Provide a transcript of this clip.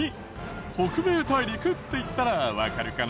北米大陸って言ったらわかるかな？